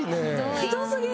ひどすぎる！